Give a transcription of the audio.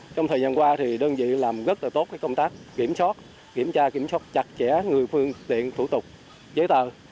trong thời gian qua thì đơn vị làm rất là tốt công tác kiểm soát kiểm tra kiểm soát chặt chẽ người phương tiện thủ tục giấy tờ